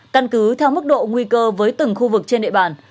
căn cứ theo mức độ nguy cơ với từng khu vực trên địa bàn